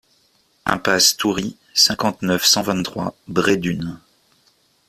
Impasse Toury, cinquante-neuf, cent vingt-trois Bray-Dunes